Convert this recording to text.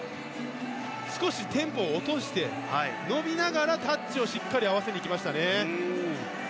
少しテンポを落として伸びながらタッチをしっかり合わせに行きましたね。